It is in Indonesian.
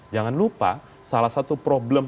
jangan lupa salah satu problem